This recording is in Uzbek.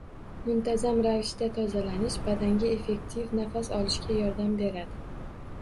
Muntazam ravishda tozalanish badanga effektiv nafas olishga yordam beradi